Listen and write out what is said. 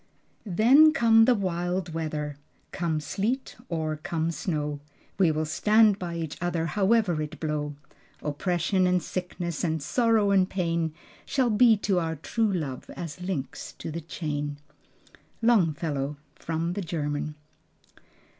"Then come the wild weather come sleet or come snow, We will stand by each other, however it blow; Oppression and sickness, and sorrow and pain, Shall be to our true love as links to the chain." Longfellow. (From the German.)